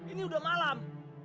ini udah malam